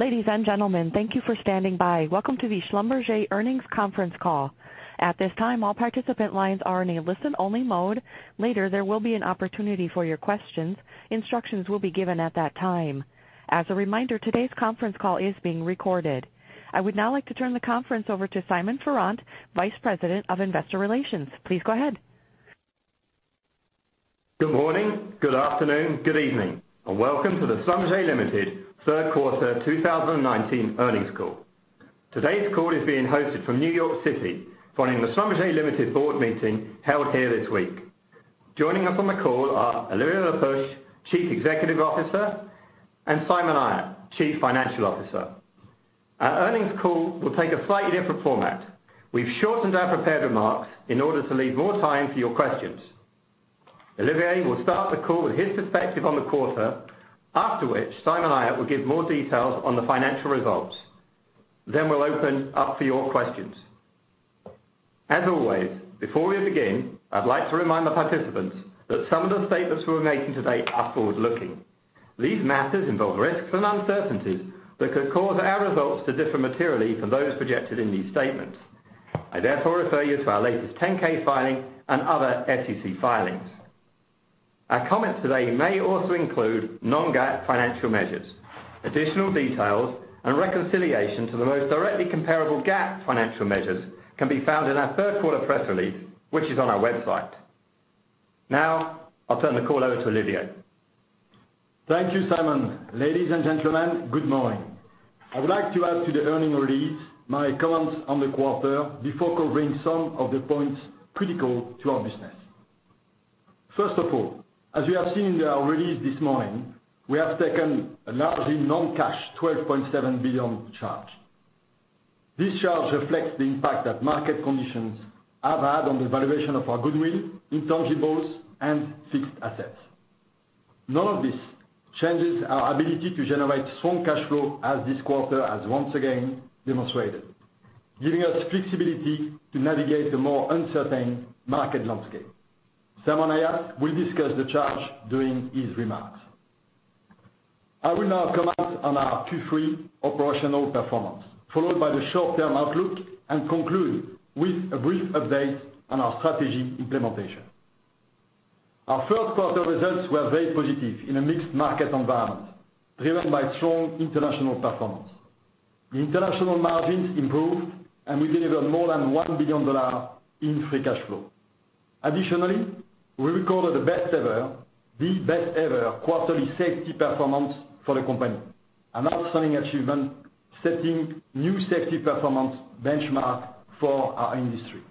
Ladies and gentlemen, thank you for standing by. Welcome to the Schlumberger Earnings Conference Call. At this time, all participant lines are in a listen-only mode. Later, there will be an opportunity for your questions. Instructions will be given at that time. As a reminder, today's conference call is being recorded. I would now like to turn the conference over to Simon Farrant, Vice President of Investor Relations. Please go ahead. Good morning, good afternoon, good evening, and welcome to the Schlumberger Limited Third Quarter 2019 Earnings Call. Today's call is being hosted from New York City following the Schlumberger Limited board meeting held here this week. Joining us on the call are Olivier Le Peuch, Chief Executive Officer, and Simon Ayat, Chief Financial Officer. Our earnings call will take a slightly different format. We've shortened our prepared remarks in order to leave more time for your questions. Olivier will start the call with his perspective on the quarter, after which Simon Ayat will give more details on the financial results. We'll open up for your questions. As always, before we begin, I'd like to remind the participants that some of the statements we're making today are forward-looking. These matters involve risks and uncertainties that could cause our results to differ materially from those projected in these statements. I therefore refer you to our latest 10-K filing and other SEC filings. Our comments today may also include non-GAAP financial measures. Additional details and reconciliation to the most directly comparable GAAP financial measures can be found in our third quarter press release, which is on our website. I'll turn the call over to Olivier. Thank you, Simon. Ladies and gentlemen, good morning. I would like to add to the earnings release my comments on the quarter before covering some of the points critical to our business. First of all, as you have seen in our release this morning, we have taken a largely non-cash $12.7 billion charge. This charge reflects the impact that market conditions have had on the valuation of our goodwill, intangibles, and fixed assets. None of this changes our ability to generate strong cash flow as this quarter has once again demonstrated, giving us flexibility to navigate the more uncertain market landscape. Simon Ayat will discuss the charge during his remarks. I will now comment on our Q3 operational performance, followed by the short-term outlook and conclude with a brief update on our strategy implementation. Our third quarter results were very positive in a mixed market environment, driven by strong international performance. The international margins improved, and we delivered more than $1 billion in free cash flow. Additionally, we recorded the best ever quarterly safety performance for the company, an outstanding achievement, setting new safety performance benchmark for our industry.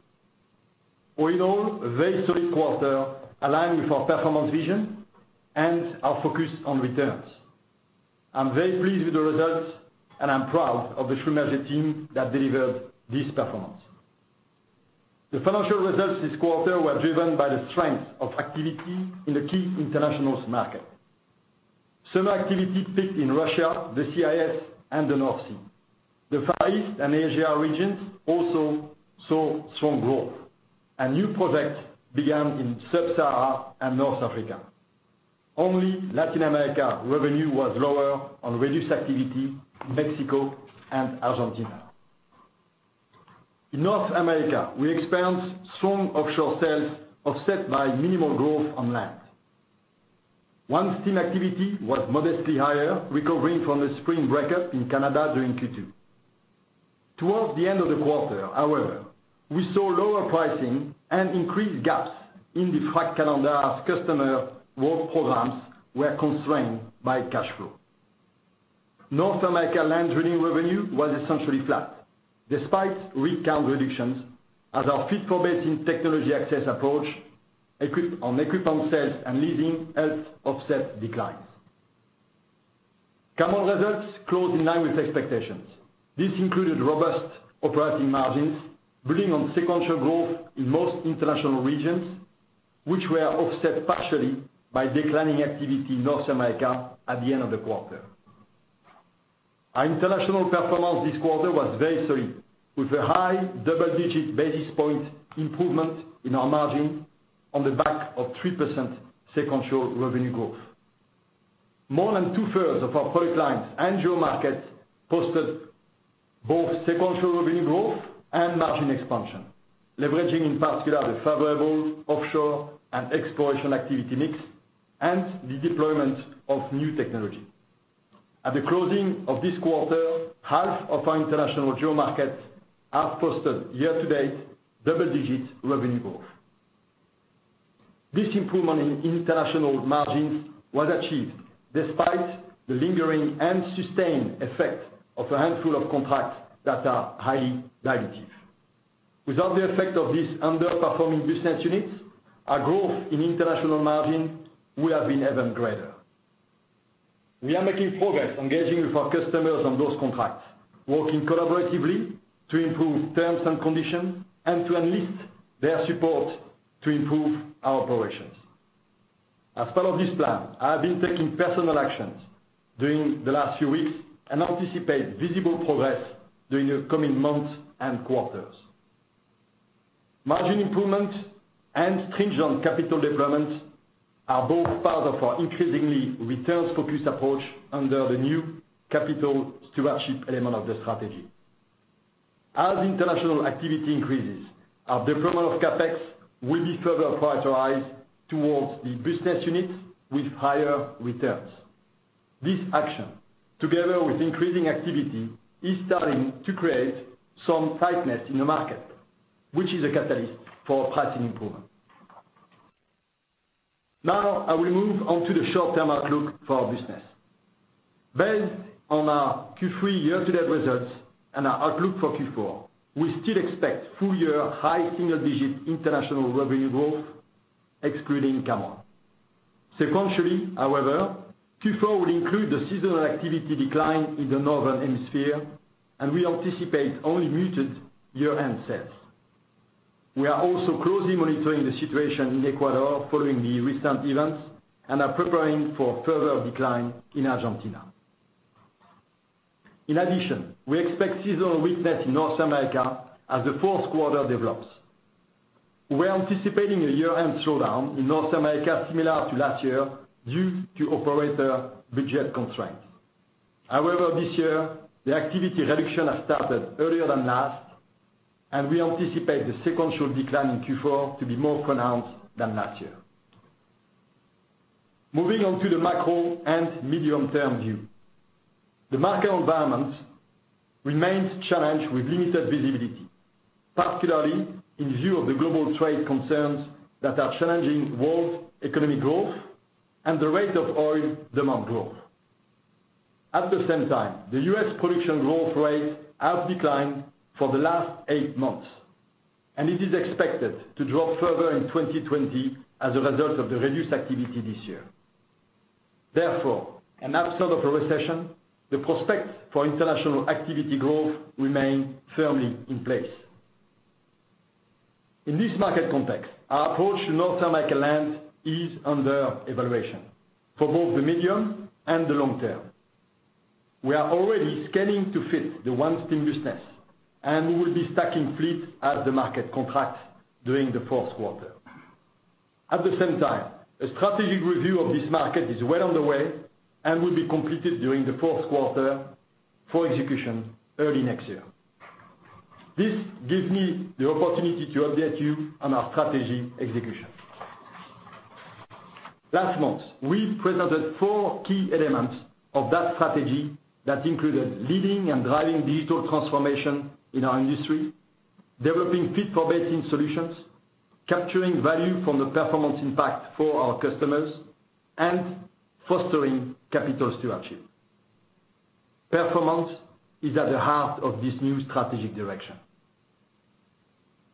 All in all, a very solid quarter aligned with our performance vision and our focus on returns. I'm very pleased with the results, and I'm proud of the Schlumberger team that delivered this performance. The financial results this quarter were driven by the strength of activity in the key internationals market. Some activity peaked in Russia, the CIS, and the North Sea. The Far East and Asia regions also saw strong growth, and new projects began in Sub-Saharan and North Africa. Only Latin America revenue was lower on reduced activity in Mexico and Argentina. In North America, we experienced strong offshore sales offset by minimal growth on land. OneStim activity was modestly higher, recovering from the spring breakup in Canada during Q2. Towards the end of the quarter, however, we saw lower pricing and increased gaps in the frack calendar as customer work programs were constrained by cash flow. North America land drilling revenue was essentially flat despite rig count reductions as our fit-for-basin technology access approach on equipment sales and leasing helped offset declines. Cameron results closed in line with expectations. This included robust operating margins, building on sequential growth in most international regions, which were offset partially by declining activity in North America at the end of the quarter. Our international performance this quarter was very solid, with a high double-digit basis point improvement in our margin on the back of 3% sequential revenue growth. More than two-thirds of our product lines and geo markets posted both sequential revenue growth and margin expansion, leveraging in particular the favorable offshore and exploration activity mix and the deployment of new technology. At the closing of this quarter, half of our international geo markets have posted year-to-date double-digit revenue growth. This improvement in international margins was achieved despite the lingering and sustained effect of a handful of contracts that are highly dilutive. Without the effect of these underperforming business units, our growth in international margin would have been even greater. We are making progress engaging with our customers on those contracts, working collaboratively to improve terms and conditions and to enlist their support to improve our operations. As part of this plan, I have been taking personal actions during the last few weeks and anticipate visible progress during the coming months and quarters. Margin improvement and stringent capital deployment are both part of our increasingly returns-focused approach under the new capital stewardship element of the strategy. As international activity increases, our deployment of CapEx will be further prioritized towards the business units with higher returns. This action, together with increasing activity, is starting to create some tightness in the market, which is a catalyst for pricing improvement. I will move on to the short-term outlook for our business. Based on our Q3 year-to-date results and our outlook for Q4, we still expect full-year high single-digit international revenue growth, excluding Cameron. Sequentially, however, Q4 will include the seasonal activity decline in the Northern Hemisphere, and we anticipate only muted year-end sales. We are also closely monitoring the situation in Ecuador following the recent events and are preparing for further decline in Argentina. In addition, we expect seasonal weakness in North America as the fourth quarter develops. We are anticipating a year-end slowdown in North America similar to last year due to operator budget constraints. However, this year, the activity reduction has started earlier than last, and we anticipate the sequential decline in Q4 to be more pronounced than last year. Moving on to the macro and medium-term view. The market environment remains challenged with limited visibility, particularly in view of the global trade concerns that are challenging world economic growth and the rate of oil demand growth. At the same time, the U.S. production growth rate has declined for the last eight months, and it is expected to drop further in 2020 as a result of the reduced activity this year. Therefore, an episode of a recession, the prospect for international activity growth remain firmly in place. In this market context, our approach to North America land is under evaluation for both the medium and the long term. We are already scaling to fit the OneStim business, and we will be stacking fleets as the market contracts during the fourth quarter. At the same time, a strategic review of this market is well on the way and will be completed during the fourth quarter for execution early next year. This gives me the opportunity to update you on our strategy execution. Last month, we presented four key elements of that strategy that included leading and driving digital transformation in our industry, developing fit-for-basin solutions, capturing value from the performance impact for our customers, and fostering capital stewardship. Performance is at the heart of this new strategic direction.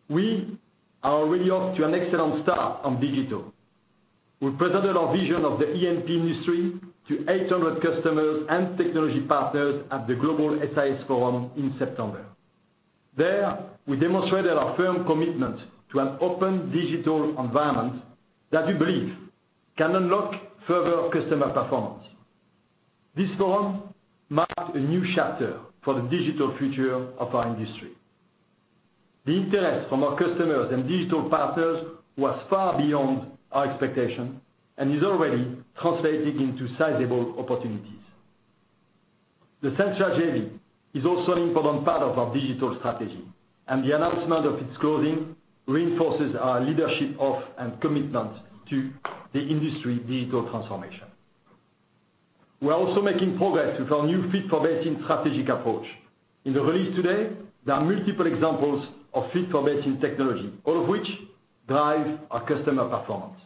We are already off to an excellent start on digital. We presented our vision of the E&P industry to 800 customers and technology partners at the SIS Global Forum in September. There, we demonstrated our firm commitment to an open digital environment that we believe can unlock further customer performance. This forum marked a new chapter for the digital future of our industry. The interest from our customers and digital partners was far beyond our expectation and is already translating into sizable opportunities. The Sensia JV is also an important part of our digital strategy, the announcement of its closing reinforces our leadership of and commitment to the industry digital transformation. We are also making progress with our new fit-for-basin strategic approach. In the release today, there are multiple examples of fit-for-basin technology, all of which drive our customer performance,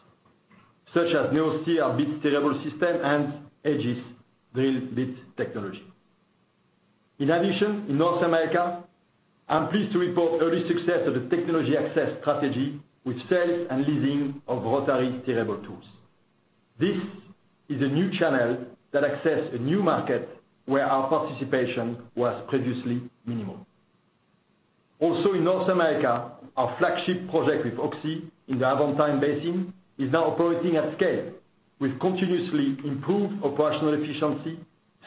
such as NeoSteer bit steerable system and Aegis drill bit technology. In addition, in North America, I'm pleased to report early success of the technology access strategy with sales and leasing of rotary steerable tools. This is a new channel that access a new market where our participation was previously minimal. Also, in North America, our flagship project with Oxy in the Aventine Basin is now operating at scale with continuously improved operational efficiency,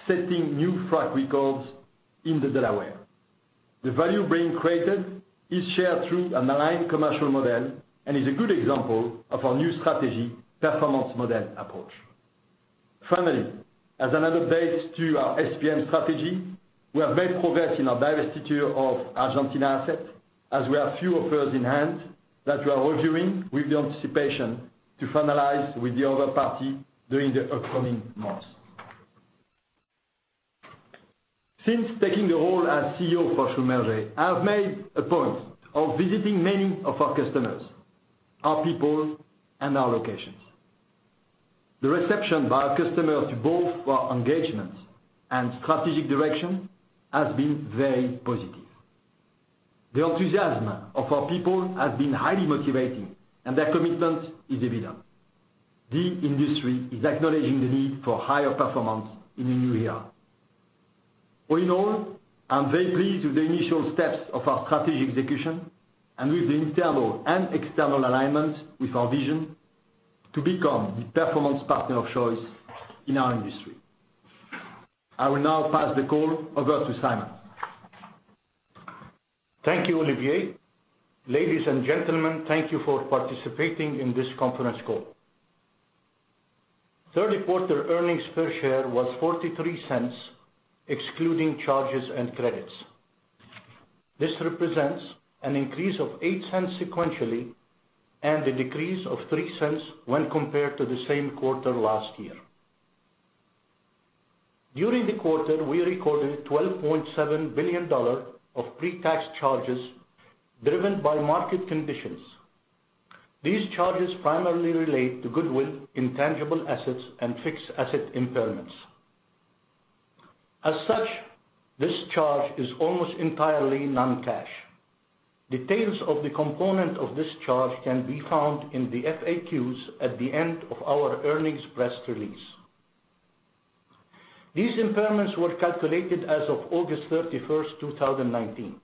setting new frac records in the Delaware. The value being created is shared through an aligned commercial model and is a good example of our new strategy performance model approach. Finally, as an update to our SPM strategy, we have made progress in our divestiture of Argentina asset, as we have few offers in hand that we are reviewing with the anticipation to finalize with the other party during the upcoming months. Since taking the role as CEO for Schlumberger, I have made a point of visiting many of our customers, our people, and our locations. The reception by our customers to both our engagement and strategic direction has been very positive. The enthusiasm of our people has been highly motivating, and their commitment is evident. The industry is acknowledging the need for higher performance in the new year. All in all, I'm very pleased with the initial steps of our strategy execution and with the internal and external alignment with our vision to become the performance partner of choice in our industry. I will now pass the call over to Simon. Thank you, Olivier. Ladies and gentlemen, thank you for participating in this conference call. Third-quarter earnings per share was $0.43, excluding charges and credits. This represents an increase of $0.08 sequentially and a decrease of $0.03 when compared to the same quarter last year. During the quarter, we recorded $12.7 billion of pre-tax charges driven by market conditions. These charges primarily relate to goodwill, intangible assets, and fixed asset impairments. As such, this charge is almost entirely non-cash. Details of the component of this charge can be found in the FAQs at the end of our earnings press release. These impairments were calculated as of August 31st, 2019.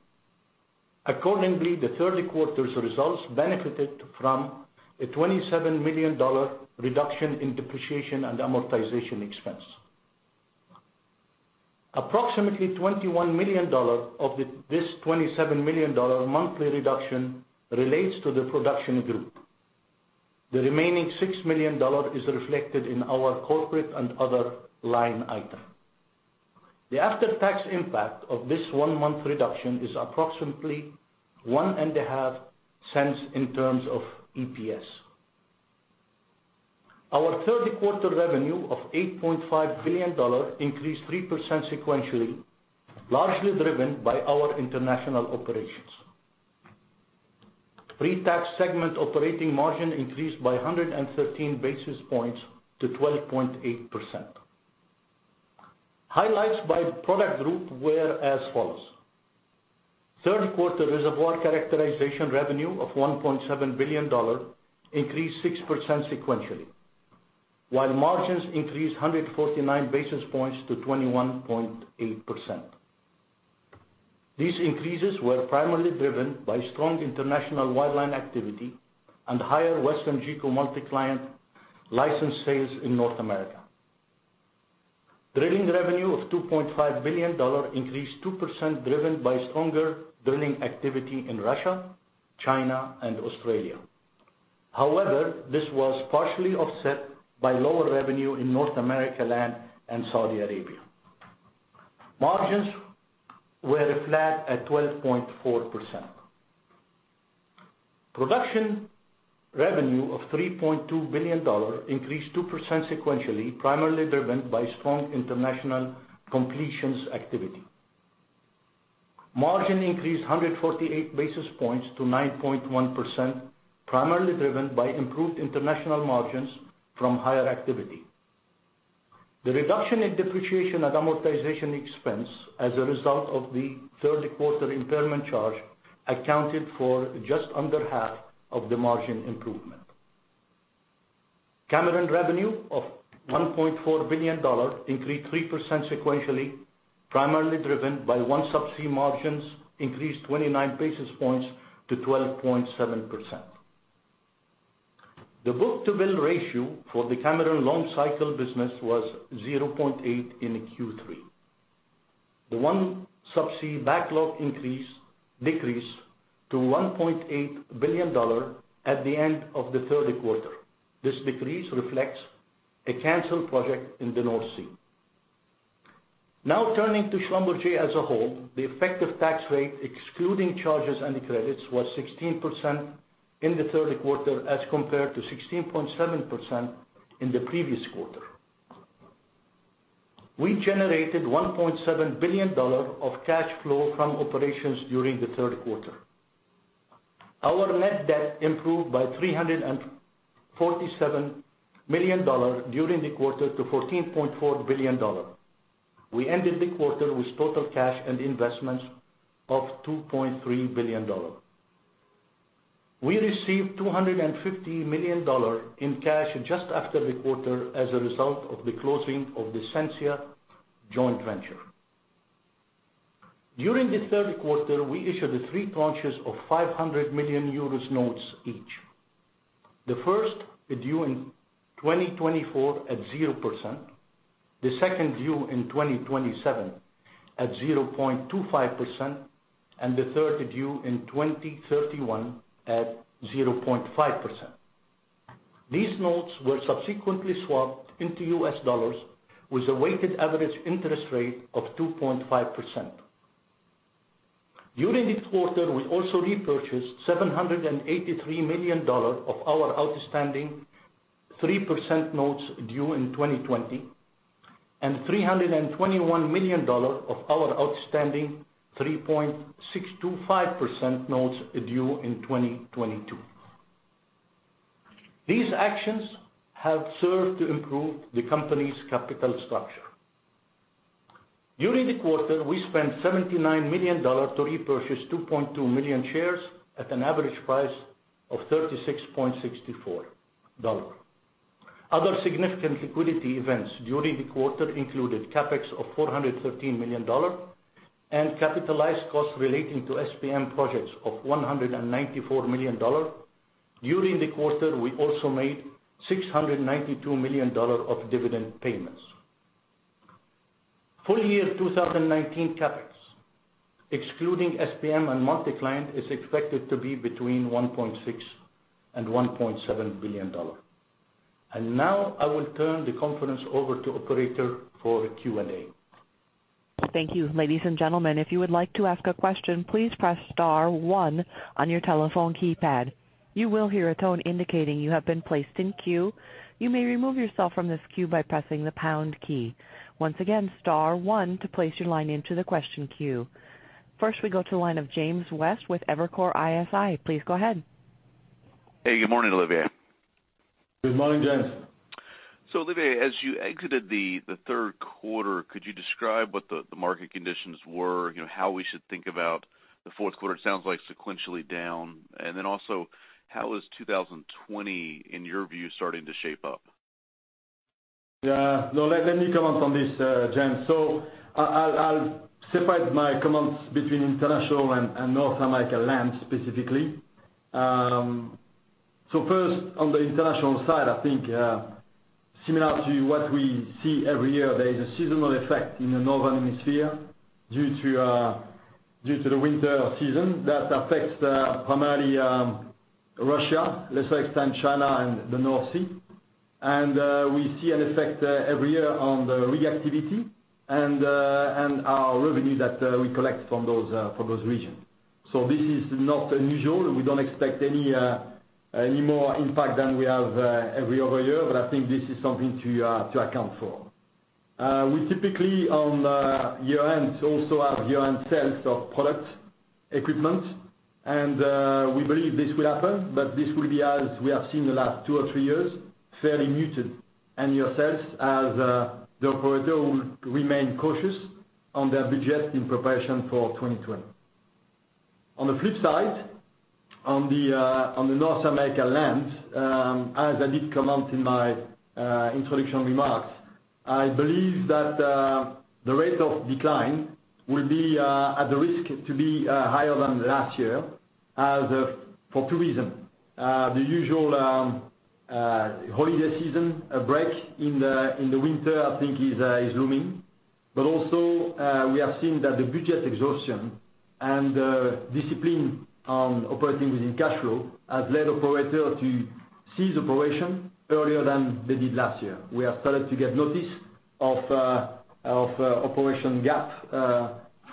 Accordingly, the third quarter's results benefited from a $27 million reduction in depreciation and amortization expense. Approximately $21 million of this $27 million monthly reduction relates to the production group. The remaining $6 million is reflected in our corporate and other line item. The after-tax impact of this one-month reduction is approximately $0.015 in terms of EPS. Our third quarter revenue of $8.5 billion increased 3% sequentially, largely driven by our international operations. Pre-tax segment operating margin increased by 113 basis points to 12.8%. Highlights by product group were as follows. Third-quarter reservoir characterization revenue of $1.7 billion increased 6% sequentially, while margins increased 149 basis points to 21.8%. These increases were primarily driven by strong international land line activity and higher WesternGeco MultiClient license sales in North America. Drilling revenue of $2.5 billion increased 2%, driven by stronger drilling activity in Russia, China, and Australia. This was partially offset by lower revenue in North America Land and Saudi Arabia. Margins were flat at 12.4%. Production revenue of $3.2 billion increased 2% sequentially, primarily driven by strong international completions activity. Margin increased 148 basis points to 9.1%, primarily driven by improved international margins from higher activity. The reduction in depreciation and amortization expense as a result of the third quarter impairment charge accounted for just under half of the margin improvement. Cameron revenue of $1.4 billion increased 3% sequentially, primarily driven by OneSubsea margins increased 29 basis points to 12.7%. The book-to-bill ratio for the Cameron long cycle business was 0.8 in Q3. The OneSubsea backlog decreased to $1.8 billion at the end of the third quarter. This decrease reflects a canceled project in the North Sea. Turning to Schlumberger as a whole, the effective tax rate, excluding charges and credits, was 16% in the third quarter as compared to 16.7% in the previous quarter. We generated $1.7 billion of cash flow from operations during the third quarter. Our net debt improved by $347 million during the quarter to $14.4 billion. We ended the quarter with total cash and investments of $2.3 billion. We received $250 million in cash just after the quarter as a result of the closing of the Sensia joint venture. During the third quarter, we issued three tranches of 500 million euros notes each. The first is due in 2024 at 0%, the second due in 2027 at 0.25%, and the third due in 2031 at 0.5%. These notes were subsequently swapped into US dollars with a weighted average interest rate of 2.5%. During the quarter, we also repurchased $783 million of our outstanding 3% notes due in 2020 and $321 million of our outstanding 3.625% notes due in 2022. These actions have served to improve the company's capital structure. During the quarter, we spent $79 million to repurchase 2.2 million shares at an average price of $36.64. Other significant liquidity events during the quarter included CapEx of $413 million and capitalized costs relating to SPM projects of $194 million. During the quarter, we also made $692 million of dividend payments. Full year 2019 CapEx, excluding SPM and MultiClient, is expected to be between $1.6 billion and $1.7 billion. Now I will turn the conference over to operator for Q&A. Thank you. Ladies and gentlemen, if you would like to ask a question, please press star one on your telephone keypad. You will hear a tone indicating you have been placed in queue. You may remove yourself from this queue by pressing the pound key. Once again, star one to place your line into the question queue. First, we go to the line of James West with Evercore ISI. Please go ahead. Hey, good morning, Olivier. Good morning, James. Olivier, as you exited the third quarter, could you describe what the market conditions were? How we should think about the fourth quarter? It sounds like sequentially down. Also, how is 2020, in your view, starting to shape up? Yeah. No, let me comment on this, James. I'll separate my comments between international and North America land, specifically. First, on the international side, I think similar to what we see every year, there is a seasonal effect in the northern hemisphere due to the winter season that affects primarily Russia, lesser extent China and the North Sea. We see an effect every year on the rig activity and our revenue that we collect for those regions. This is not unusual. We don't expect any more impact than we have every other year, but I think this is something to account for. We typically, on year-end, also have year-end sales of product equipment, and we believe this will happen, but this will be, as we have seen the last two or three years, fairly muted. Year-end sales as the operator will remain cautious on their budget in preparation for 2020. On the flip side, on the North America land, as I did comment in my introduction remarks, I believe that the rate of decline will be at the risk to be higher than last year for two reasons. The usual holiday season break in the winter, I think is looming. Also, we have seen that the budget exhaustion and discipline on operating within cash flow has led operators to cease operation earlier than they did last year. We have started to get notice of operation gap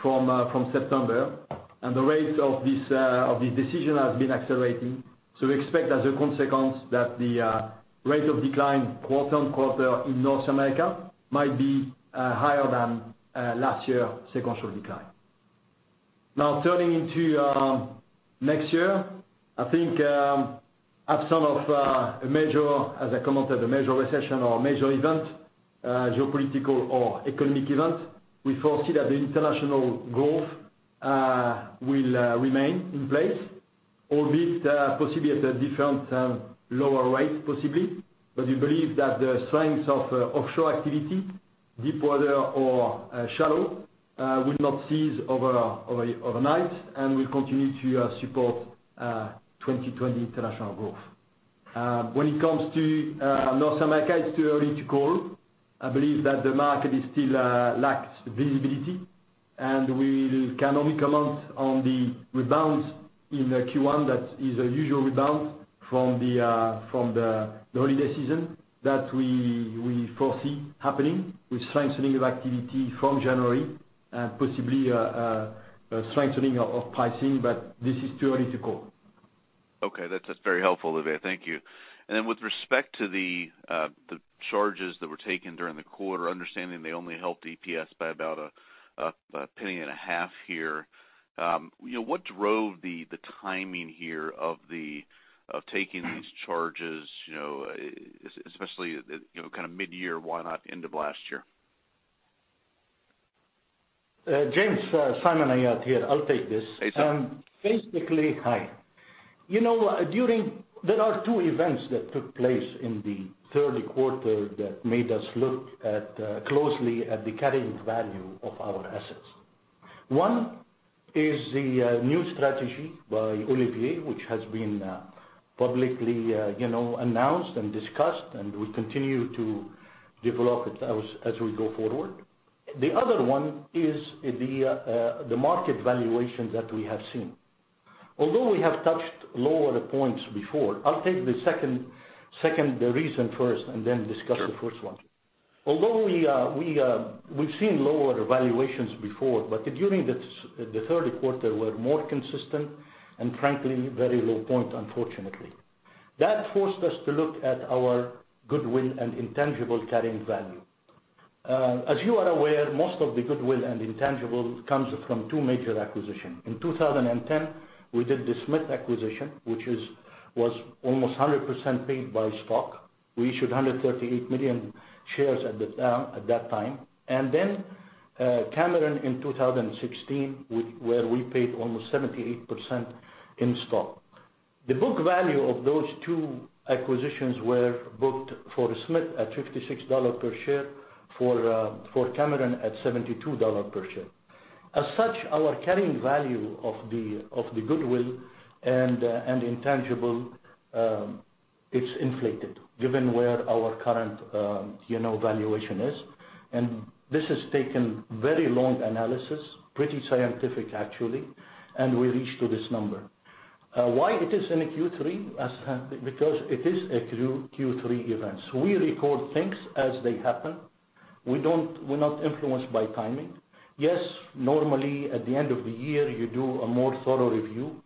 from September, and the rate of this decision has been accelerating. We expect as a consequence that the rate of decline quarter on quarter in North America might be higher than last year sequential decline. Now turning into next year, I think absent of a major, as I commented, a major recession or major event, geopolitical or economic event, we foresee that the international growth will remain in place, albeit possibly at a different lower rate, possibly. We believe that the strength of offshore activity, deep water or shallow, will not cease overnight and will continue to support 2020 international growth. When it comes to North America, it's too early to call. I believe that the market still lacks visibility, and we can only comment on the rebounds in Q1. That is a usual rebound from the holiday season that we foresee happening with strengthening of activity from January, possibly a strengthening of pricing. This is too early to call. Okay. That's very helpful, Olivier. Thank you. With respect to the charges that were taken during the quarter, understanding they only helped EPS by about a penny and a half here. What drove the timing here of taking these charges, especially, kind of mid-year, why not end of last year? James, Simon Ayat here. I'll take this. Hey, Simon. Hi. There are two events that took place in the third quarter that made us look closely at the carrying value of our assets. One is the new strategy by Olivier, which has been publicly announced and discussed. We continue to develop it as we go forward. The other one is the market valuations that we have seen. Although we have touched lower points before. I'll take the second reason first, and then discuss the first one. Sure. Although we've seen lower valuations before, but during the third quarter were more consistent and frankly, very low point, unfortunately. That forced us to look at our goodwill and intangible carrying value. As you are aware, most of the goodwill and intangible comes from two major acquisitions. In 2010, we did the Smith acquisition, which was almost 100% paid by stock. We issued 138 million shares at that time. Then Cameron in 2016, where we paid almost 78% in stock. The book value of those two acquisitions were booked for Smith at $56 per share, for Cameron at $72 per share. Our carrying value of the goodwill and intangible, it's inflated given where our current valuation is. This has taken very long analysis, pretty scientific actually, and we reached to this number. Why it is in a Q3? It is a Q3 event. We record things as they happen. We're not influenced by timing. Yes, normally at the end of the year, you do a more thorough review.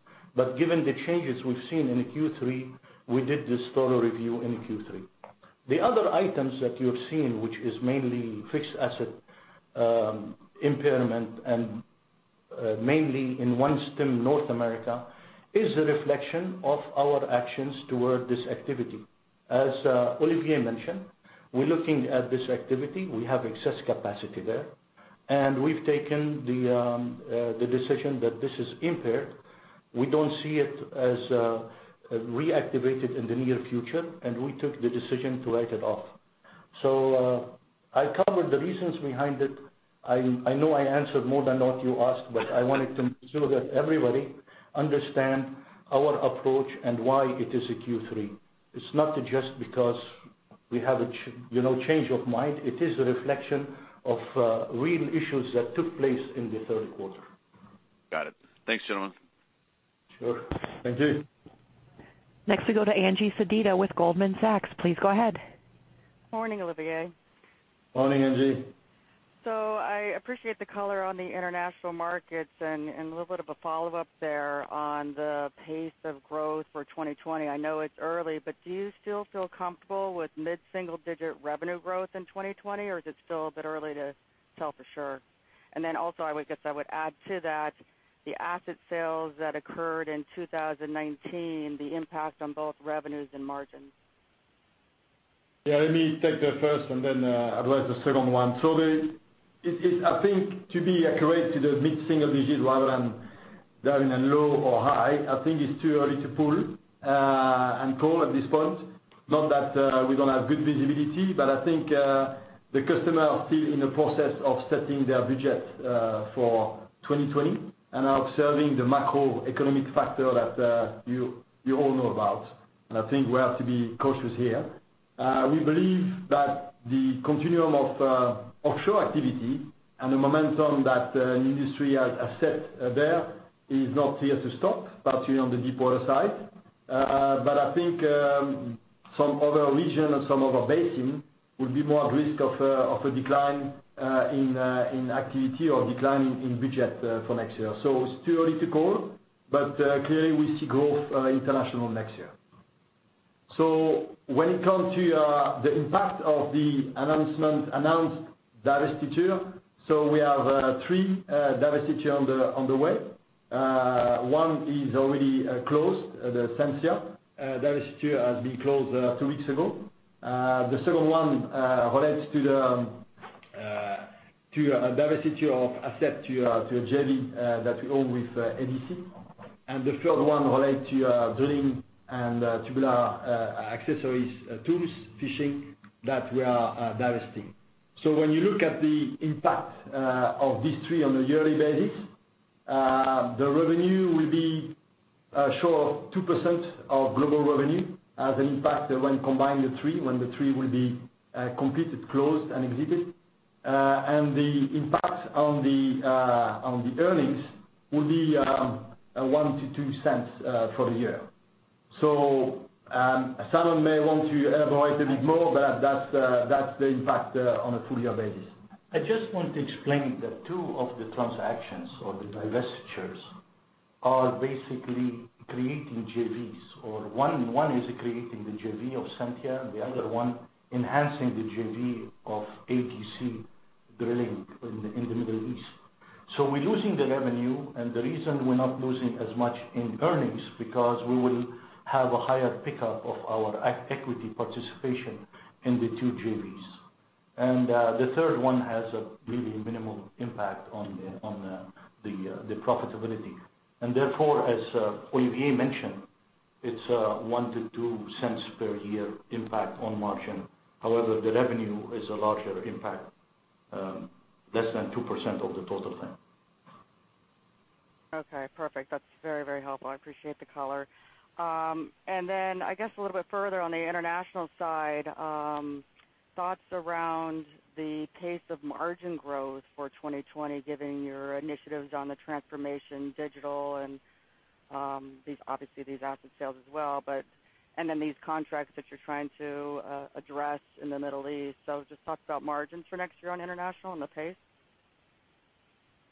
Given the changes we've seen in Q3, we did this thorough review in Q3. The other items that you've seen, which is mainly fixed asset impairment, and mainly in OneStim North America, is a reflection of our actions toward this activity. As Olivier mentioned, we're looking at this activity. We have excess capacity there, and we've taken the decision that this is impaired. We don't see it as reactivated in the near future, and we took the decision to write it off. I covered the reasons behind it. I know I answered more than what you asked, but I wanted to ensure that everybody understand our approach and why it is a Q3. It's not just because we have a change of mind. It is a reflection of real issues that took place in the third quarter. Got it. Thanks, gentlemen. Sure. Thank you. Next we go to Angie Sedita with Goldman Sachs. Please go ahead. Morning, Olivier. Morning, Angie. I appreciate the color on the international markets and a little bit of a follow-up there on the pace of growth for 2020. I know it's early, but do you still feel comfortable with mid-single-digit revenue growth in 2020, or is it still a bit early to tell for sure? Also I guess I would add to that, the asset sales that occurred in 2019, the impact on both revenues and margins. Yeah, let me take the first and then address the second one. I think to be accurate to the mid-single digits rather than down in low or high, I think it's too early to pull and call at this point. Not that we don't have good visibility, but I think the customer are still in the process of setting their budget for 2020 and are observing the macroeconomic factor that you all know about. I think we have to be cautious here. We believe that the continuum of offshore activity and the momentum that the industry has set there is not here to stop, particularly on the deepwater side. I think some other region and some other basin will be more at risk of a decline in activity or decline in budget for next year. It's too early to call, but clearly we see growth international next year. When it comes to the impact of the announced divestiture, we have three divestiture on the way. One is already closed, the Sensia divestiture has been closed two weeks ago. The second one relates to a divestiture of asset to a JV that we own with ADES. The third one relate to drilling and tubular accessories, tools, fishing, that we are divesting. When you look at the impact of these three on a yearly basis, the revenue will be short of 2% of global revenue as an impact when combining the three, when the three will be completed, closed, and exited. The impact on the earnings will be $0.01 to $0.02 for the year. Simon may want to elaborate a bit more, but that's the impact on a full-year basis. I just want to explain that two of the transactions or the divestitures are basically creating JVs, or one is creating the JV of Sensia, the other one enhancing the JV of ADES in the Middle East. We're losing the revenue, and the reason we're not losing as much in earnings, because we will have a higher pickup of our equity participation in the two JVs. The third one has a really minimal impact on the profitability. Therefore, as Olivier mentioned, it's $0.01 to $0.02 per year impact on margin. However, the revenue is a larger impact, less than 2% of the total plan. Okay, perfect. That's very helpful. I appreciate the color. I guess a little bit further on the international side, thoughts around the pace of margin growth for 2020, given your initiatives on the transformation digital and obviously these asset sales as well, these contracts that you're trying to address in the Middle East. Just talk about margins for next year on international and the pace.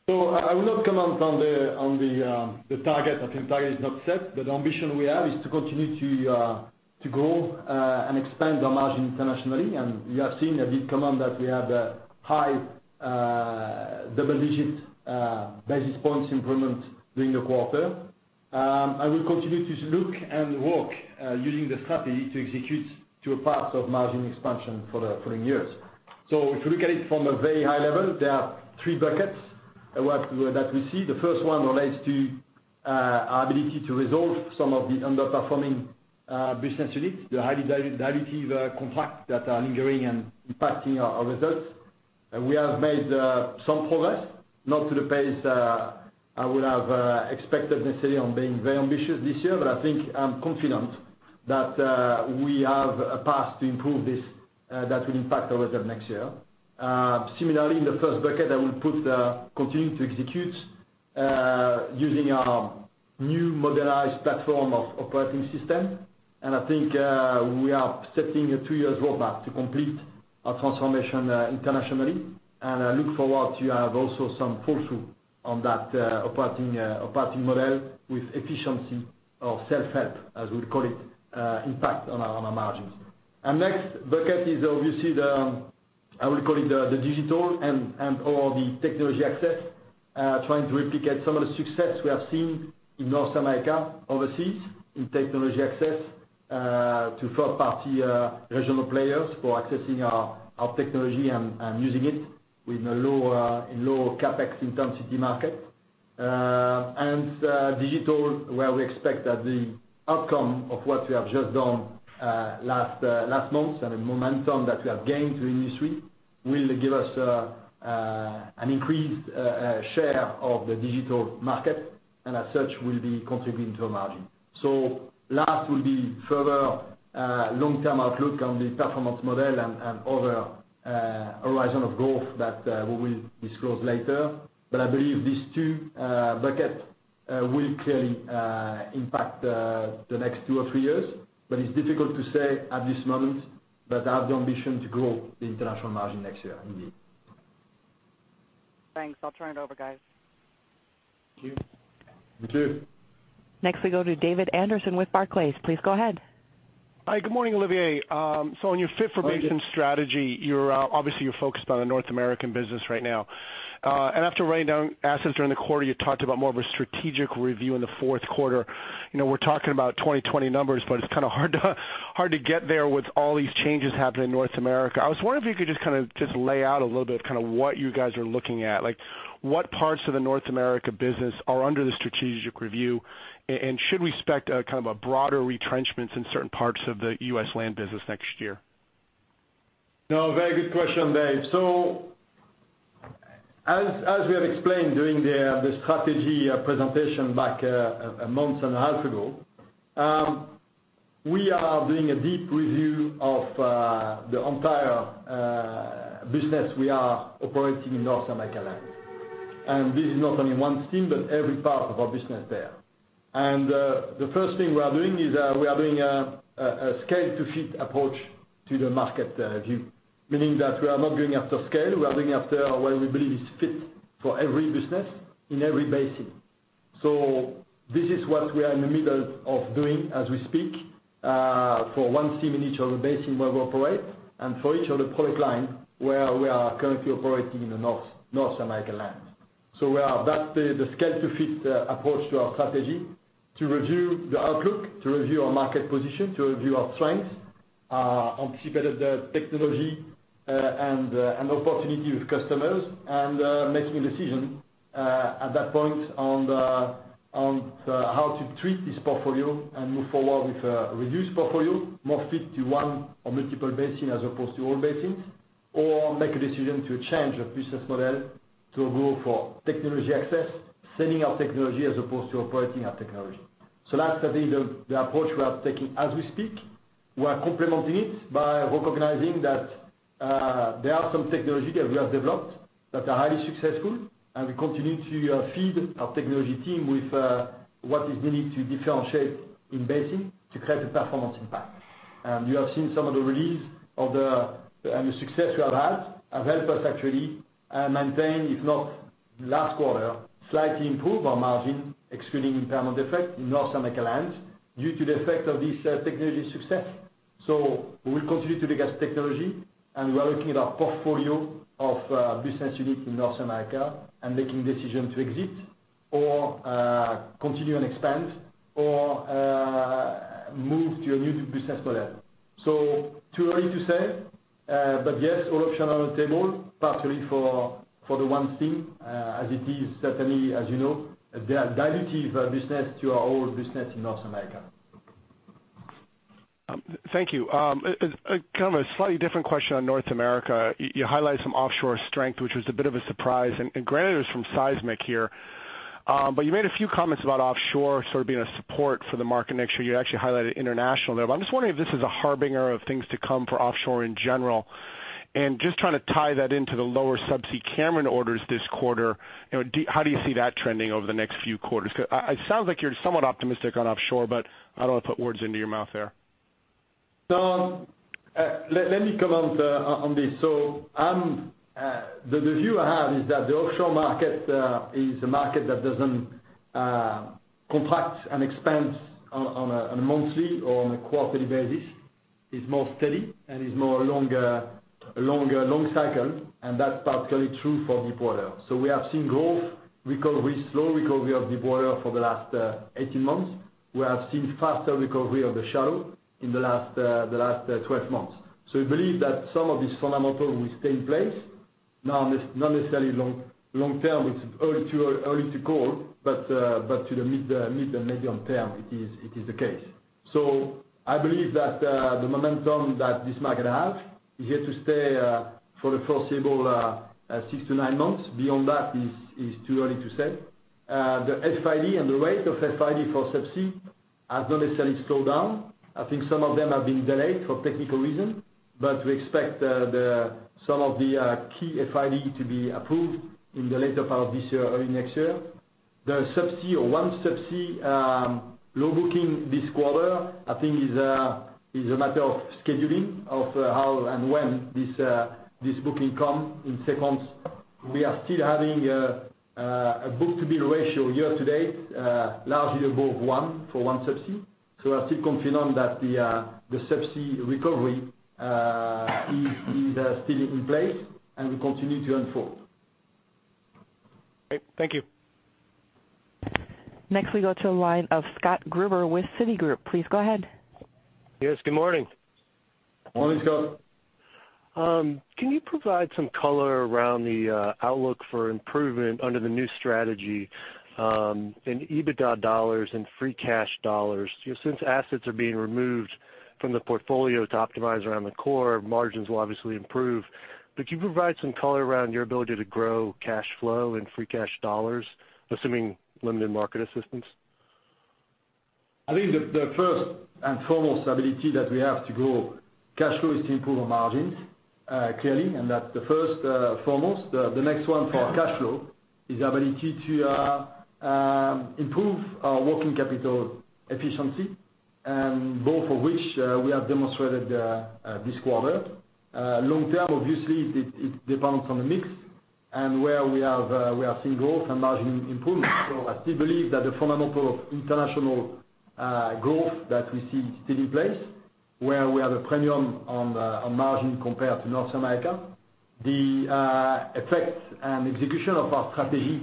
I will not comment on the target. I think target is not set. The ambition we have is to continue to grow and expand our margin internationally. You have seen a BPS comment that we have a high double-digit basis points improvement during the quarter. I will continue to look and work using the strategy to execute two parts of margin expansion for the following years. If you look at it from a very high level, there are 3 buckets that we see. The first one relates to our ability to resolve some of the underperforming business units, the highly dilutive contracts that are lingering and impacting our results. We have made some progress, not to the pace I would have expected necessarily on being very ambitious this year. I think I'm confident that we have a path to improve this that will impact our results next year. Similarly, in the first bucket, I will put the continue to execute using our new modernized platform of operating system. I think we are setting a two years roadmap to complete our transformation internationally. I look forward to have also some pull-through on that operating model with efficiency of self-help, as we call it, impact on our margins. Next bucket is obviously the, I will call it the digital and/or the technology access, trying to replicate some of the success we have seen in North America overseas in technology access to third-party regional players for accessing our technology and using it in lower CapEx intensity market. Digital, where we expect that the outcome of what we have just done last month and the momentum that we have gained through the industry will give us an increased share of the digital market and as such, will be contributing to our margin. Last will be further long-term outlook on the performance model and other horizon of growth that we will disclose later. I believe these two buckets will clearly impact the next two or three years. It's difficult to say at this moment, but I have the ambition to grow the international margin next year, indeed. Thanks. I'll turn it over, guys. Thank you. Thank you. Next we go to David Anderson with Barclays. Please go ahead. Hi, good morning, Olivier. On your fit-for-basin strategy, obviously, you're focused on the North American business right now. After writing down assets during the quarter, you talked about more of a strategic review in the fourth quarter. We're talking about 2020 numbers, but it's kind of hard to get there with all these changes happening in North America. I was wondering if you could just lay out a little bit, what you guys are looking at. What parts of the North America business are under the strategic review, and should we expect a broader retrenchment in certain parts of the U.S. land business next year? Very good question, David. As we have explained during the strategy presentation back a month and a half ago, we are doing a deep review of the entire business we are operating in North America Land. This is not only one team, but every part of our business there. The first thing we are doing is we are doing a scale-to-fit approach to the market view, meaning that we are not going after scale, we are going after what we believe is fit for every business in every basin. This is what we are in the middle of doing as we speak, for one team in each of the basin where we operate and for each of the product line where we are currently operating in the North America Land. We have that, the scale-to-fit approach to our strategy to review the outlook, to review our market position, to review our strengths, anticipate the technology and opportunity with customers and making a decision at that point on how to treat this portfolio and move forward with a reduced portfolio, more fit to one or multiple basin as opposed to all basins, or make a decision to change our business model to go for technology access, selling our technology as opposed to operating our technology. That's today the approach we are taking as we speak. We are complementing it by recognizing that there are some technology that we have developed that are highly successful, and we continue to feed our technology team with what is needed to differentiate in basin to create a performance impact. You have seen some of the release and the success we have had, have helped us actually maintain, if not last quarter, slightly improve our margin, excluding impairment effect in North America Land due to the effect of this technology success. We will continue to look at technology, and we are looking at our portfolio of business units in North America and making decision to exit or continue and expand or move to a new business model. Too early to say, but yes, all options are on the table, partially for the OneStim as it is certainly, as you know, they are dilutive business to our whole business in North America. Thank you. Kind of a slightly different question on North America. You highlighted some offshore strength, which was a bit of a surprise, and granted it was from seismic here. You made a few comments about offshore sort of being a support for the market next year. You actually highlighted international there. I'm just wondering if this is a harbinger of things to come for offshore in general, and just trying to tie that into the lower subsea Cameron orders this quarter. How do you see that trending over the next few quarters? Because it sounds like you're somewhat optimistic on offshore, but I don't want to put words into your mouth there. Let me comment on this. The view I have is that the offshore market is a market that doesn't contract and expand on a monthly or on a quarterly basis. It's more steady, and it's more a long cycle, and that's particularly true for deepwater. We have seen growth, slow recovery of deepwater for the last 18 months. We have seen faster recovery of the shallow in the last 12 months. We believe that some of this fundamental will stay in place. Not necessarily long term. It's early to call, but to the mid and medium term, it is the case. I believe that the momentum that this market has is here to stay for the foreseeable six to nine months. Beyond that is too early to say. The FID and the rate of FID for Subsea has not necessarily slowed down. I think some of them have been delayed for technical reasons, but we expect some of the key FID to be approved in the later part of this year or early next year. The Subsea or OneSubsea low booking this quarter, I think is a matter of scheduling of how and when this booking comes in seconds. We are still having a book-to-bill ratio year-to-date, largely above one for OneSubsea. We are still confident that the Subsea recovery is still in place and will continue to unfold. Great. Thank you. Next we go to the line of Scott Gruber with Citigroup. Please go ahead. Yes, good morning. Morning, Scott. Can you provide some color around the outlook for improvement under the new strategy in EBITDA dollars and free cash dollars? Since assets are being removed from the portfolio to optimize around the core, margins will obviously improve. Can you provide some color around your ability to grow cash flow and free cash dollars, assuming limited market assistance? I think the first and foremost ability that we have to grow cash flow is to improve our margins, clearly, and that's the first and foremost. The next one for cash flow is the ability to improve our working capital efficiency, and both of which we have demonstrated this quarter. Long term, obviously, it depends on the mix and where we are seeing growth and margin improvement. I still believe that the fundamental of international growth that we see is still in place, where we have a premium on margin compared to North America. The effect and execution of our strategy,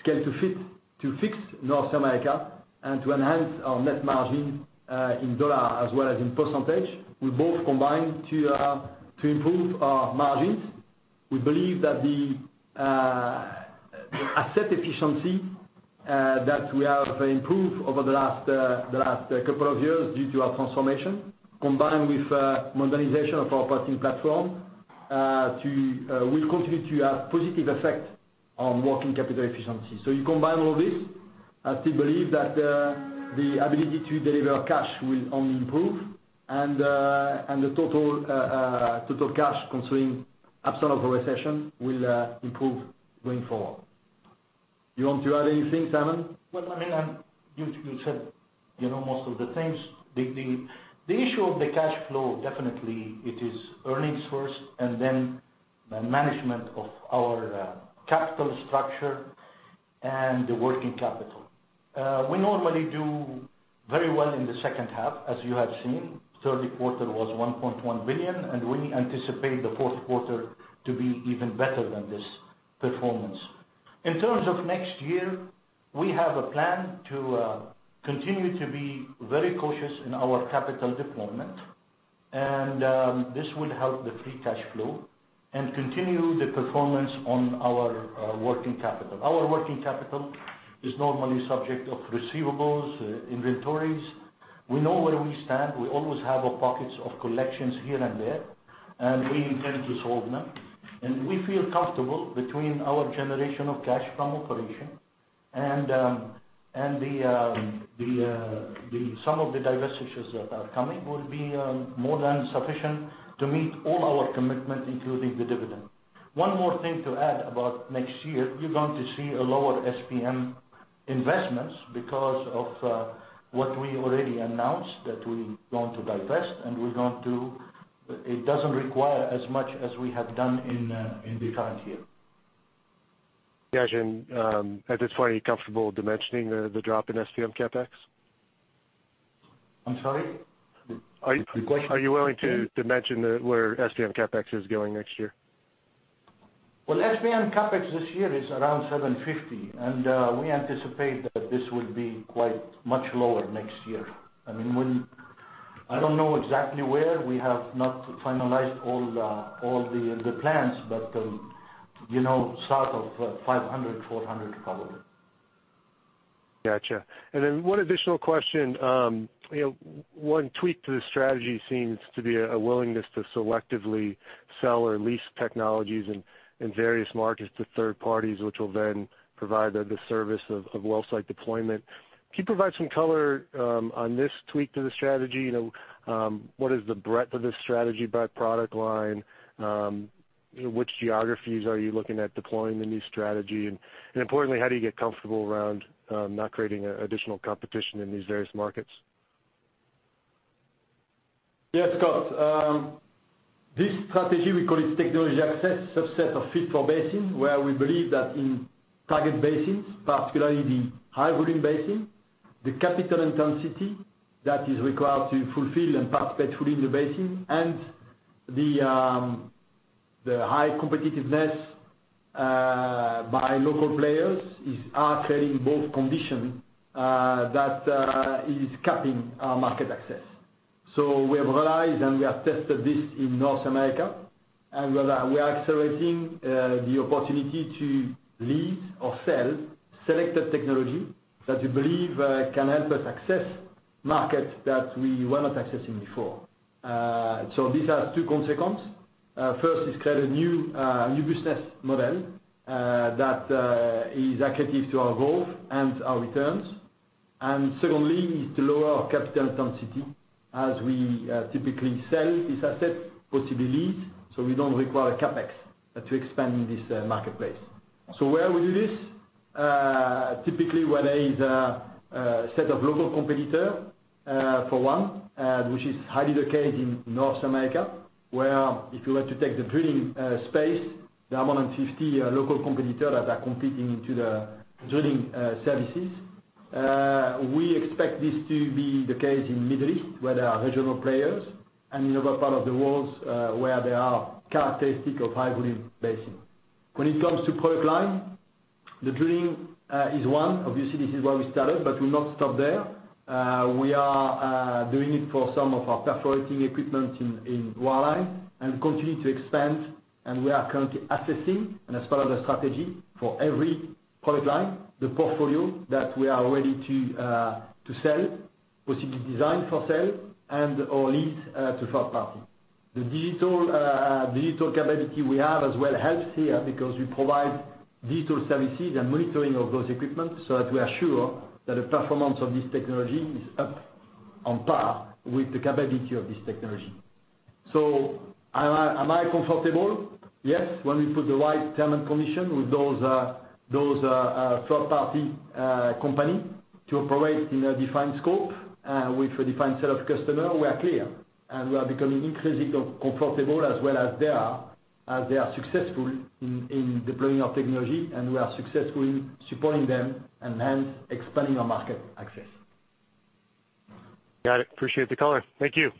Scale to Fit, to fix North America and to enhance our net margin in dollar as well as in percentage, will both combine to improve our margins. We believe that the asset efficiency that we have improved over the last couple of years due to our transformation, combined with modernization of our operating platform will continue to have positive effect on working capital efficiency. You combine all this, I still believe that the ability to deliver cash will only improve and the total cash, considering absence of a recession, will improve going forward. You want to add anything, Tamer? Well, you said most of the things. The issue of the cash flow, definitely it is earnings first and then management of our capital structure and the working capital. We normally do very well in the second half, as you have seen. Third quarter was $1.1 billion, and we anticipate the fourth quarter to be even better than this performance. In terms of next year, we have a plan to continue to be very cautious in our capital deployment, and this will help the free cash flow and continue the performance on our working capital. Our working capital is normally subject of receivables, inventories. We know where we stand. We always have pockets of collections here and there, and we intend to solve them. We feel comfortable between our generation of cash from operation and some of the divestitures that are coming will be more than sufficient to meet all our commitments, including the dividend. One more thing to add about next year, you're going to see a lower SPM investments because of what we already announced that we're going to divest and it doesn't require as much as we have done in the current year. Yeah, Simon, at this point, are you comfortable dimensioning the drop in SPM CapEx? I'm sorry. The question? Are you willing to dimension where SPM CapEx is going next year? Well, SPM CapEx this year is around $750. We anticipate that this will be quite much lower next year. I don't know exactly where. We have not finalized all the plans, south of $500, $400 probably. Got you. One additional question. One tweak to the strategy seems to be a willingness to selectively sell or lease technologies in various markets to third parties, which will then provide the service of well site deployment. Can you provide some color on this tweak to the strategy? What is the breadth of this strategy by product line? Which geographies are you looking at deploying the new strategy? Importantly, how do you get comfortable around not creating additional competition in these various markets? Yes, Scott. This strategy, we call it technology access, subset of fit-for-basin, where we believe that in target basins, particularly the high volume basin, the capital intensity that is required to fulfill and participate fully in the basin and the high competitiveness, By local players, is creating both condition that is capping our market access. We have realized, and we have tested this in North America, and we are accelerating the opportunity to lease or sell selected technology that we believe can help us access market that we were not accessing before. These are two consequence. First, it create a new business model that is accretive to our growth and our returns. Secondly, is to lower our capital intensity as we typically sell this asset, possibly lease. We don't require a CapEx to expand in this marketplace. Where we do this, typically where there is a set of local competitors, for one, which is highly the case in North America, where if you were to take the drilling space, there are more than 50 local competitors that are competing into the drilling services. We expect this to be the case in Middle East, where there are regional players, and in other part of the world, where there are characteristics of high volume basin. When it comes to product line, the drilling is one. Obviously, this is where we started, but we'll not stop there. We are doing it for some of our perforating equipment in wireline and continue to expand. We are currently assessing, and as part of the strategy for every product line, the portfolio that we are ready to sell, possibly design for sale and/or lease to third party. The digital capability we have as well helps here because we provide digital services and monitoring of those equipment so that we are sure that the performance of this technology is up on par with the capability of this technology. Am I comfortable? Yes. When we put the right term and condition with those third-party company to operate in a defined scope, with a defined set of customer, we are clear, and we are becoming increasingly comfortable as well as they are successful in deploying our technology, and we are successful in supporting them and hence expanding our market access. Got it. Appreciate the color. Thank you.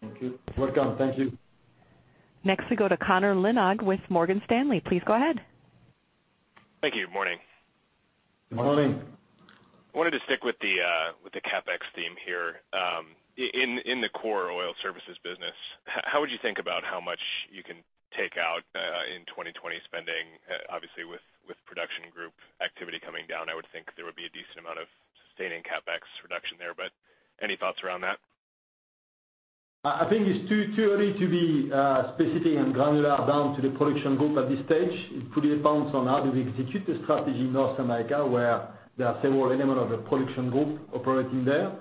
Thank you. Welcome. Thank you. Next we go to Connor Lynagh with Morgan Stanley. Please go ahead. Thank you. Morning. Morning. I wanted to stick with the CapEx theme here. In the core oil services business, how would you think about how much you can take out in 2020 spending? Obviously, with production group activity coming down, I would think there would be a decent amount of sustaining CapEx reduction there. Any thoughts around that? I think it's too early to be specific and granular down to the production group at this stage. It fully depends on how do we execute the strategy in North America, where there are several elements of the production group operating there.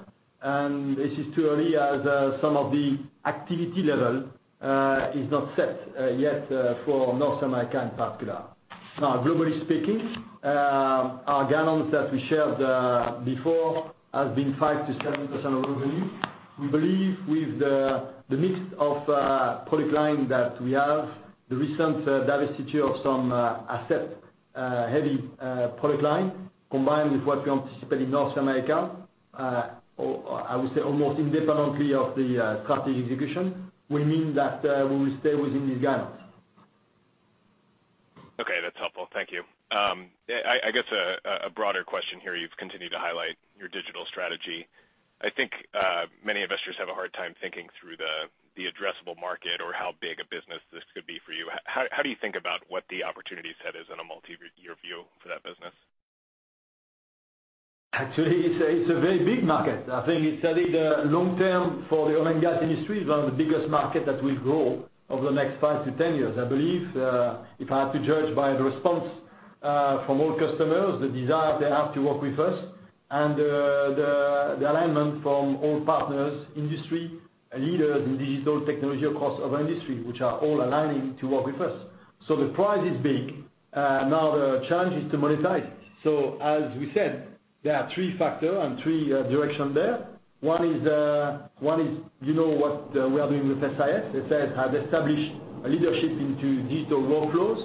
This is too early as some of the activity level is not set yet for North America in particular. Globally speaking, our guidance that we shared before has been 5%-7% of revenue. We believe with the mix of product lines that we have, the recent divestiture of some asset heavy product line, combined with what we anticipate in North America, I would say almost independently of the strategic execution, we mean that we will stay within this guidance. Okay, that's helpful. Thank you. I guess a broader question here, you've continued to highlight your digital strategy. I think many investors have a hard time thinking through the addressable market or how big a business this could be for you. How do you think about what the opportunity set is in a multi-year view for that business? Actually, it's a very big market. I think it's a long term for the oil and gas industry, is one of the biggest market that will grow over the next 5 to 10 years. I believe, if I had to judge by the response from all customers, the desire they have to work with us and the alignment from all partners, industry leaders in digital technology across our industry, which are all aligning to work with us. The prize is big. Now the challenge is to monetize it. As we said, there are three factor and three direction there. One is you know what we are doing with SIS. SIS has established a leadership into digital workflows,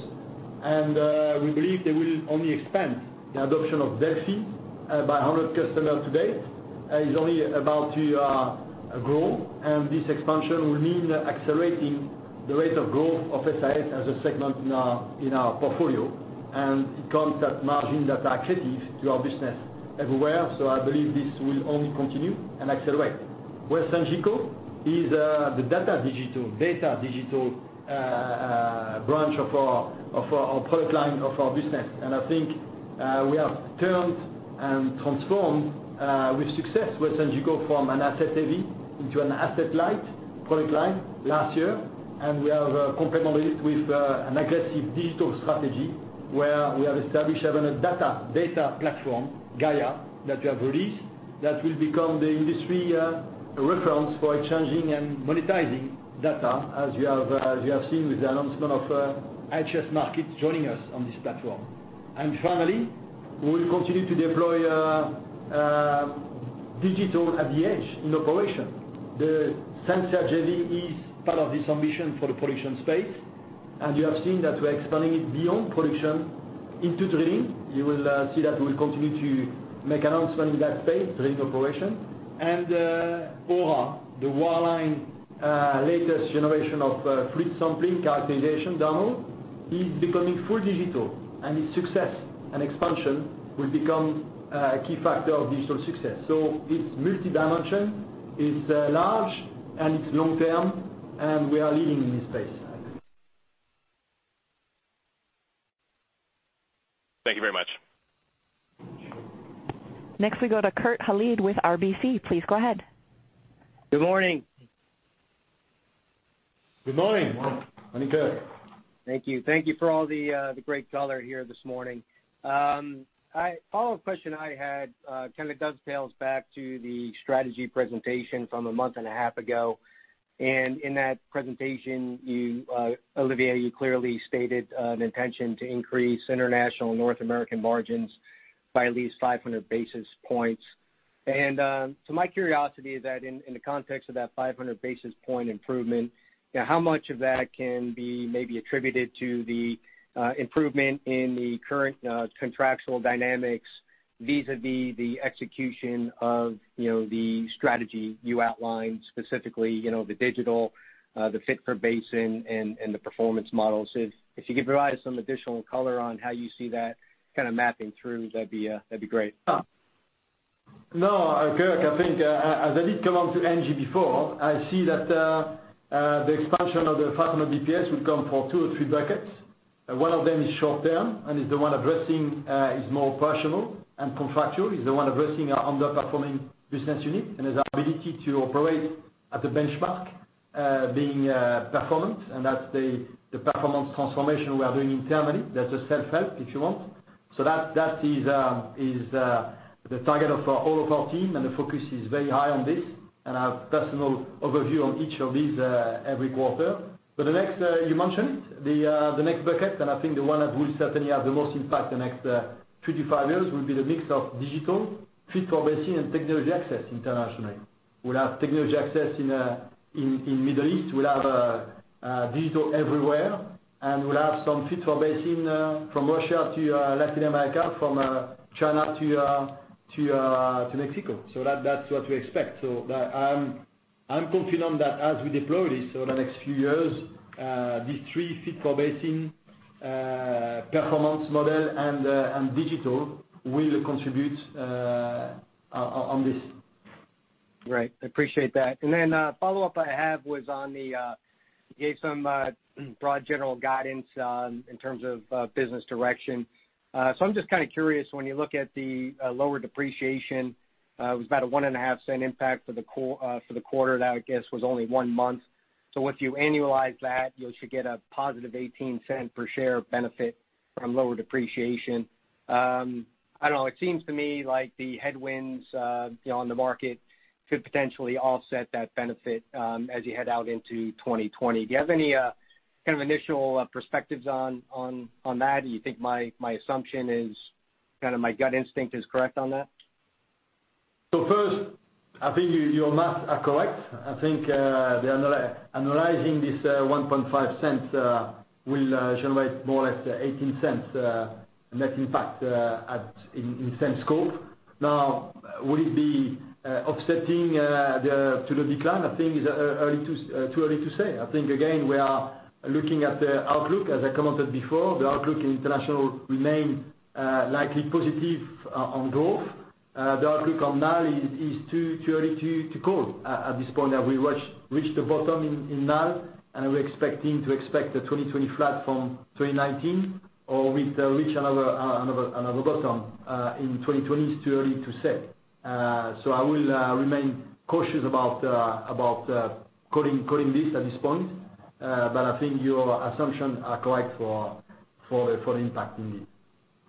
and we believe they will only expand the adoption of DELFI by 100 customer today. Is only about to grow. This expansion will mean accelerating the rate of growth of SIS as a segment in our portfolio. It comes at margin that are accretive to our business everywhere. I believe this will only continue and accelerate. SIS is the data digital branch of our product line of our business. I think we have turned and transformed with success SIS from an asset heavy into an asset light product line last year. We have complemented it with an aggressive digital strategy where we have established even a data platform, GAIA, that we have released that will become the industry reference for exchanging and monetizing data as you have seen with the announcement of IHS Markit joining us on this platform. Finally, we will continue to deploy digital at the edge in operation. The Sensia JV is part of this ambition for the production space. You have seen that we are expanding it beyond production into drilling. You will see that we will continue to make announcement in that space, drilling operation. Aura, the wirelineOur latest generation of fluid sampling characterization demo is becoming fully digital. Its success and expansion will become a key factor of digital success. It's multi-dimension, it's large, it's long-term. We are leading in this space. Thank you very much. Next, we go to Kurt Hallead with RBC. Please go ahead. Good morning. Good morning, Kurt. Thank you. Thank you for all the great color here this morning. A follow-up question I had kind of dovetails back to the strategy presentation from a month and a half ago. In that presentation, Olivier, you clearly stated an intention to increase international North American margins by at least 500 basis points. My curiosity is that in the context of that 500 basis point improvement, how much of that can be maybe attributed to the improvement in the current contractual dynamics vis-a-vis the execution of the strategy you outlined specifically, the digital, the fit-for-basin and the performance models. If you could provide some additional color on how you see that kind of mapping through, that'd be great. No, Kurt, I think, as I did comment to Angie before, I see that the expansion of the 500 BPS will come for two or three buckets. One of them is short-term and is the one addressing is more operational and contractual, is the one addressing our underperforming business unit and its ability to operate at the benchmark, being performant, and that's the performance transformation we are doing internally. That's a self-help, if you want. That is the target of all of our team, and the focus is very high on this. I have personal overview on each of these every quarter. The next, you mentioned it, the next bucket, and I think the one that will certainly have the most impact the next three to five years will be the mix of digital, fit-for-basin, and technology access internationally. We'll have technology access in Middle East. We'll have digital everywhere, and we'll have some fit-for-basin from Russia to Latin America, from China to Mexico. That's what we expect. I'm confident that as we deploy this over the next few years, these three, fit-for-basin, performance model, and digital will contribute on this. A follow-up I have was on the, you gave some broad general guidance in terms of business direction. I'm just kind of curious, when you look at the lower depreciation, it was about a $0.015 impact for the quarter. That, I guess, was only one month. Once you annualize that, you should get a positive $0.18 per share benefit from lower depreciation. I don't know. It seems to me like the headwinds on the market could potentially offset that benefit as you head out into 2020. Do you have any kind of initial perspectives on that? Do you think my assumption is, kind of my gut instinct is correct on that? First, I think your math are correct. I think annualizing this $0.015 will generate more or less $0.18 net impact in the same scope. Will it be offsetting to the decline? I think it's too early to say. I think, again, we are looking at the outlook, as I commented before. The outlook in international remains likely positive on growth. The outlook on N.A. is too early to call at this point. Have we reached the bottom in N.A., and are we expecting to expect a 2020 flat from 2019, or we reach another bottom in 2020? It's too early to say. I will remain cautious about calling this at this point, but I think your assumptions are correct for impact indeed.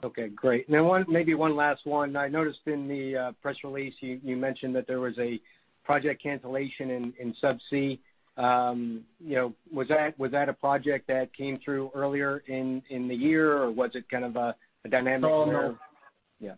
Okay, great. Maybe one last one. I noticed in the press release you mentioned that there was a project cancellation in subsea. Was that a project that came through earlier in the year, or was it kind of a dynamic? No. Yeah.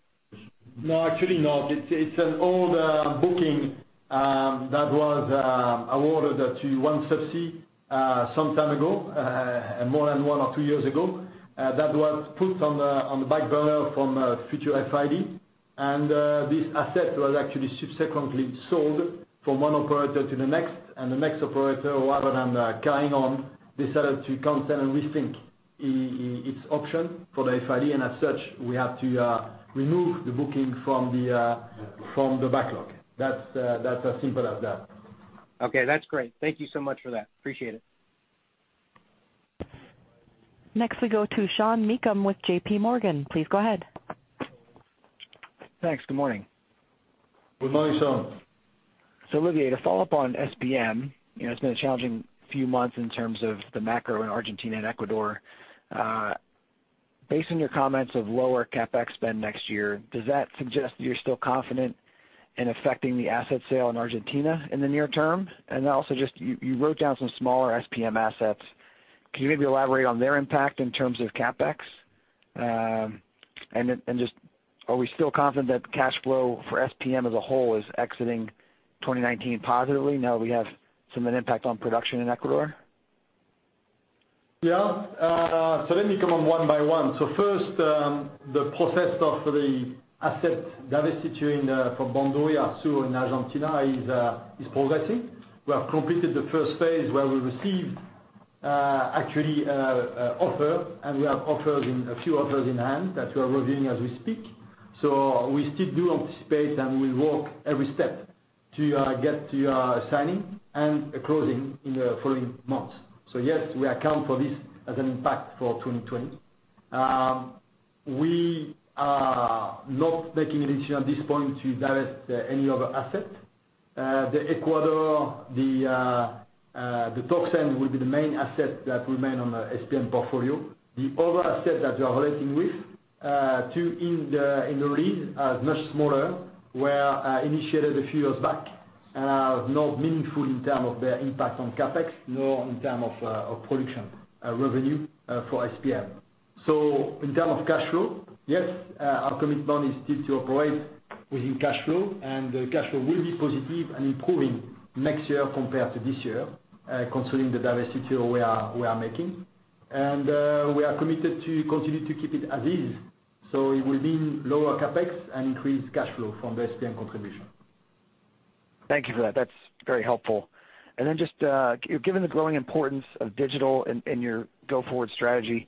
No, actually, no. It's an old booking that was awarded to OneSubsea some time ago, more than one or two years ago. That was put on the back burner from future FID. This asset was actually subsequently sold from one operator to the next, and the next operator, rather than carrying on, decided to come and rethink its option for the FID, and as such, we have to remove the booking from the backlog. That's as simple as that. Okay, that's great. Thank you so much for that. Appreciate it. Next we go to Sean Meakim with JPMorgan. Please go ahead. Thanks. Good morning. Good morning, Sean. Olivier, to follow up on SPM, it's been a challenging few months in terms of the macro in Argentina and Ecuador. Based on your comments of lower CapEx spend next year, does that suggest that you're still confident in effecting the asset sale in Argentina in the near term? Then also just, you wrote down some smaller SPM assets. Can you maybe elaborate on their impact in terms of CapEx? Just, are we still confident that cash flow for SPM as a whole is exiting 2019 positively now we have some impact on production in Ecuador? Yeah. Let me comment one by one. First, the process of the asset divesting from Bandurria Sur in Argentina is progressing. We have completed the first phase where we received actually a offer, and we have a few offers in hand that we are reviewing as we speak. We still do anticipate and we work every step to get to a signing and a closing in the following months. Yes, we account for this as an impact for 2020. We are not making a decision at this point to divest any other asset. The Ecuador, the Shushufindi will be the main asset that will remain on the SPM portfolio. The other asset that we are relating with, two in the rigs, are much smaller, were initiated a few years back, and are not meaningful in terms of their impact on CapEx, nor in terms of production revenue for SPM. In terms of cash flow, yes, our commitment is still to operate within cash flow, and the cash flow will be positive and improving next year compared to this year concerning the divestiture we are making. We are committed to continue to keep it as is. It will mean lower CapEx and increased cash flow from the SPM contribution. Thank you for that. That's very helpful. Just given the growing importance of digital in your go-forward strategy,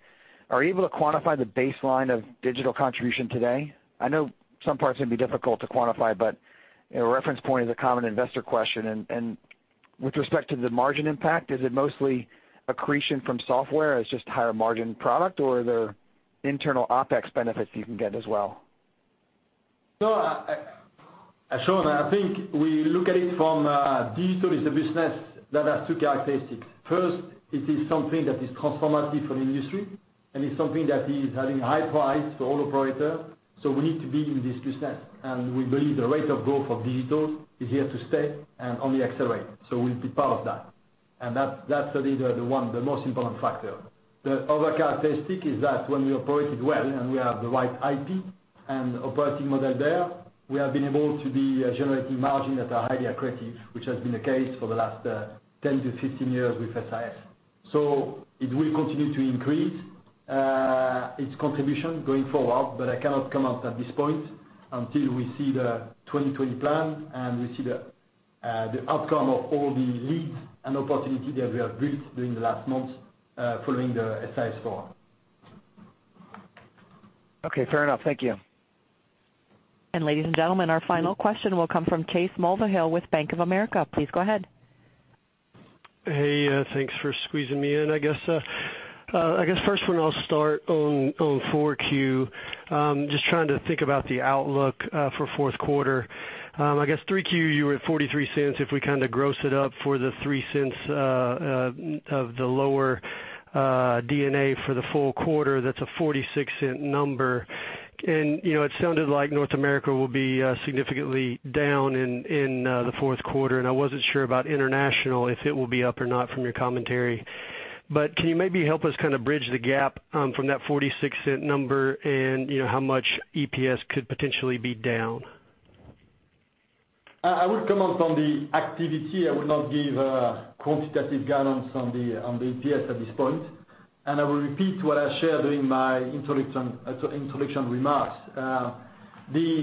are you able to quantify the baseline of digital contribution today? I know some parts are going to be difficult to quantify, a reference point is a common investor question. With respect to the margin impact, is it mostly accretion from software as just higher margin product, or are there internal OpEx benefits you can get as well? No, Sean, I think we look at it from a digital is a business that has two characteristics. First, it is something that is transformative for the industry, and it's something that is having high price for all operator. We need to be in this business, and we believe the rate of growth of digital is here to stay and only accelerate. We'll be part of that. That's really the most important factor. The other characteristic is that when we operate it well and we have the right IP and operating model there, we have been able to be generating margin that are highly accretive, which has been the case for the last 10 to 15 years with SIS. It will continue to increase its contribution going forward, but I cannot comment at this point until we see the 2020 plan and we see the outcome of all the leads and opportunity that we have built during the last months following the SIS Global Forum. Okay, fair enough. Thank you. Ladies and gentlemen, our final question will come from Chase Mulvehill with Bank of America. Please go ahead. Hey, thanks for squeezing me in. I guess first one I'll start on 4Q. Just trying to think about the outlook for fourth quarter. I guess 3Q, you were at $0.43 if we kind of gross it up for the $0.03 of the lower D&A for the full quarter, that's a $0.46 number. It sounded like North America will be significantly down in the fourth quarter, and I wasn't sure about international, if it will be up or not from your commentary. Can you maybe help us kind of bridge the gap from that $0.46 number and how much EPS could potentially be down? I will comment on the activity. I will not give quantitative guidance on the EPS at this point. I will repeat what I shared during my introduction remarks.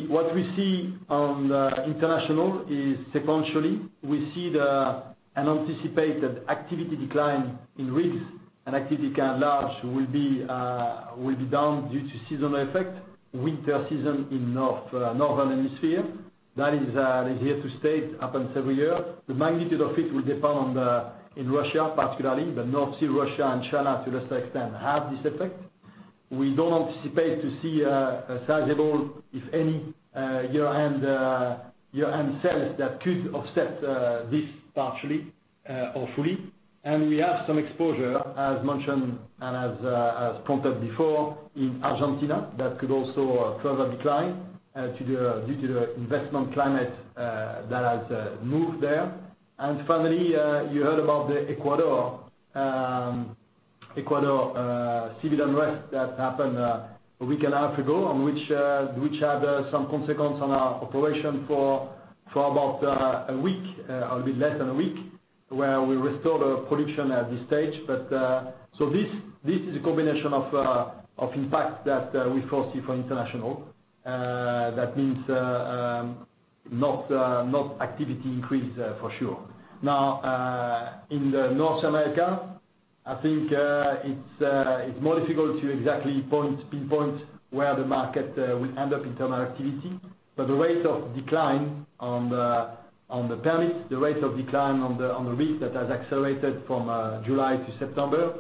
What we see on the international is sequentially, we see an anticipated activity decline in rigs and activity at large will be down due to seasonal effect, winter season in Northern Hemisphere. That is here to stay. It happens every year. The magnitude of it will depend in Russia particularly, but North Sea Russia and China to a lesser extent have this effect. We don't anticipate to see a sizable, if any, year-end sales that could offset this partially or fully. We have some exposure, as mentioned and as prompted before in Argentina that could also further decline due to the investment climate that has moved there. Finally, you heard about the Ecuador civil unrest that happened a week and a half ago, and which had some consequence on our operation for about a week, a bit less than a week, where we restored our production at this stage. This is a combination of impact that we foresee for international. That means not activity increase for sure. In the North America, I think it's more difficult to exactly pinpoint where the market will end up in terms of activity. The rate of decline on the permits, the rate of decline on the rigs that has accelerated from July to September,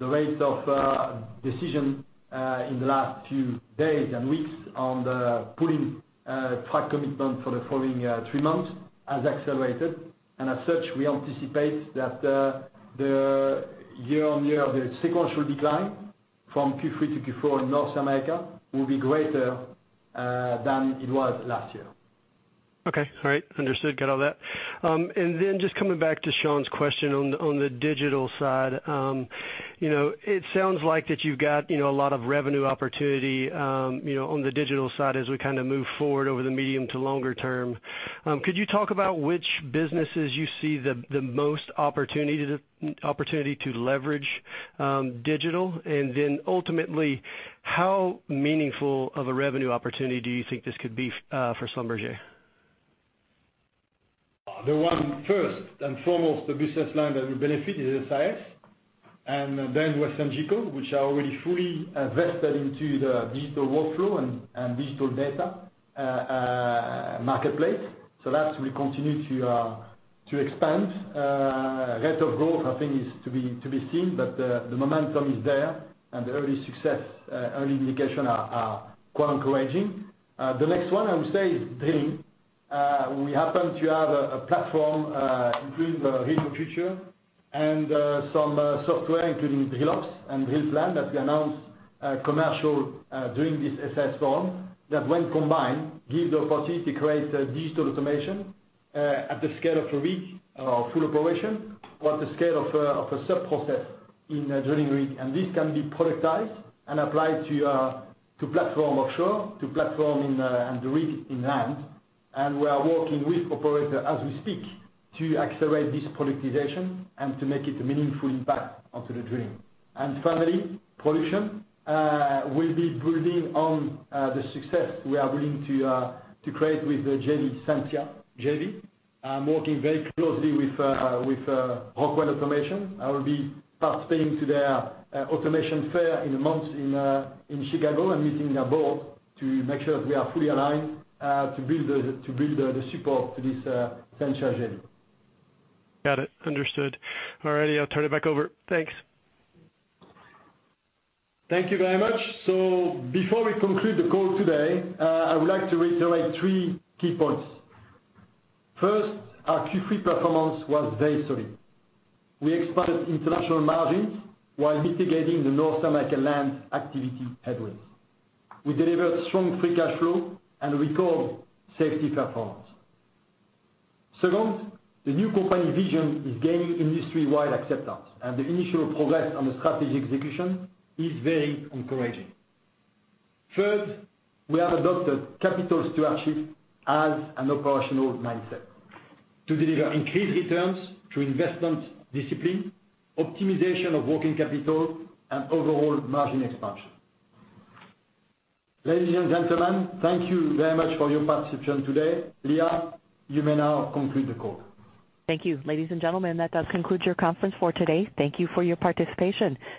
the rate of decision in the last few days and weeks on the pulling frac commitment for the following three months has accelerated. As such, we anticipate that the year-over-year, the sequential decline from Q3 to Q4 in North America will be greater than it was last year. Okay. All right. Understood. Got all that. Just coming back to Sean's question on the digital side. It sounds like that you've got a lot of revenue opportunity on the digital side as we kind of move forward over the medium to longer term. Could you talk about which businesses you see the most opportunity to leverage digital? Ultimately, how meaningful of a revenue opportunity do you think this could be for Schlumberger? The one first and foremost, the business line that will benefit is SIS, and then WesternGeco, which are already fully vested into the digital workflow and digital data marketplace. That will continue to expand. Rate of growth, I think, is to be seen. The momentum is there and the early success, early indication are quite encouraging. The next one I would say is drilling. We happen to have a platform, including the Rig of the Future and some software including DrillOps and DrillPlan that we announced commercial during this SIS Global Forum. That when combined, give the opportunity to create digital automation at the scale of a rig or full operation, or at the scale of a sub-process in a drilling rig. This can be productized and applied to platform offshore, to platform and rig in land. We are working with operator as we speak to accelerate this productization and to make it a meaningful impact onto the drilling and finally, production. We'll be building on the success we are willing to create with the Sensia JV. I'm working very closely with Rockwell Automation. I will be participating to their automation fair in a month in Chicago and meeting their board to make sure that we are fully aligned, to build the support to this Sensia JV. Got it. Understood. All righty. I'll turn it back over. Thanks. Thank you very much. Before we conclude the call today, I would like to reiterate three key points. First, our Q3 performance was very solid. We expanded international margins while mitigating the North American land activity headwinds. We delivered strong free cash flow and record safety performance. Second, the new company vision is gaining industry-wide acceptance, and the initial progress on the strategy execution is very encouraging. Third, we have adopted capital stewardship as an operational mindset to deliver increased returns through investment discipline, optimization of working capital and overall margin expansion. Ladies and gentlemen, thank you very much for your participation today. Leah, you may now conclude the call. Thank you. Ladies and gentlemen, that does conclude your conference for today. Thank you for your participation.